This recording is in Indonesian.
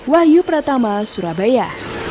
wahyu pratama surabaya